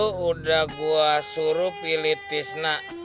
sudah gua suruh pilih tisnak